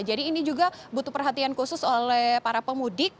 jadi ini juga butuh perhatian khusus oleh para pemudik